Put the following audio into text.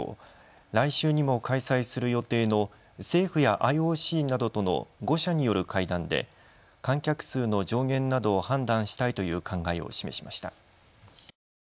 来週にも開催する予定の政府やＩＯＣなどとの５者による会談で観客数の上限などを判断したいという考えを示しました。